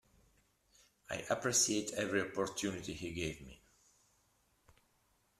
I appreciate every opportunity he gave me.